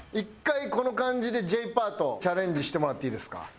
１回この感じでＪパートチャレンジしてもらっていいですか？